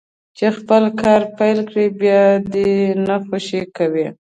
چې خپل کار پيل کړي بيا دې يې نه خوشي کوي.